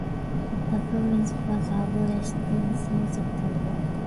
The province was abolished in the same September.